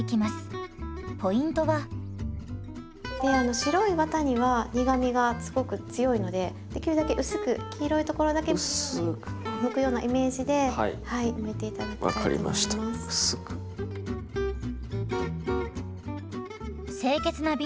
白いワタには苦みがすごく強いのでできるだけ薄く黄色いところだけむくようなイメージでむいて頂きたいと思います。